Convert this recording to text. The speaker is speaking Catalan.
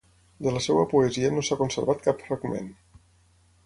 De la seva poesia no s'ha conservat cap fragment.